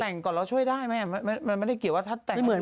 แต่งก่อนแล้วช่วยได้ไหมมันไม่ได้เกี่ยวว่าทัศน์แต่ง